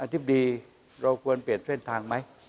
ธิบดีเราควรเปลี่ยนเส้นทางไหม